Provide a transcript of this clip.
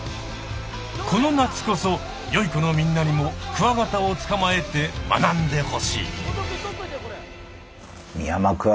この夏こそよい子のみんなにもクワガタをつかまえて学んでほしい。